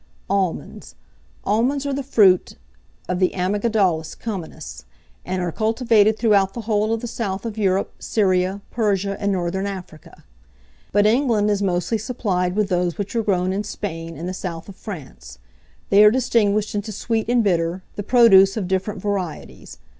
[Illustration: ALMOND AND BLOSSOM.] ALMONDS. Almonds are the fruit of the Amygdalus commenis, and are cultivated throughout the whole of the south of Europe, Syria, Persia, and Northern Africa; but England is mostly supplied with those which are grown in Spain and the south of France. They are distinguished into Sweet and Bitter, the produce of different varieties.